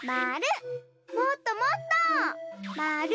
もっともっと！まる。